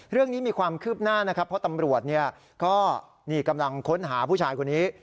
เรื่องนี้มีความคืบหน้านะครับเพราะตำรวจก็นี่กำลังค้นหาผู้ชายคนนี้